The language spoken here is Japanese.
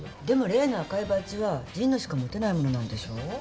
でも例の赤いバッジは神野しか持てないものなんでしょう？